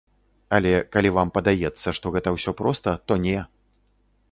Але, калі вам падаецца, што гэта ўсё проста, то не!